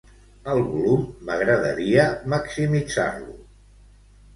El volum, m'agradaria maximitzar-lo.